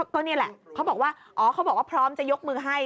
ก็นี่แหละเค้าบอกว่าพร้อมจะยกมือให้